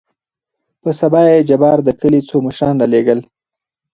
په سبا يې جبار دکلي څو مشران رالېږل.